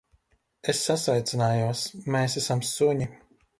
Es sasveicinājos. Mēs esam suņi.